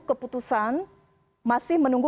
keputusan masih menunggu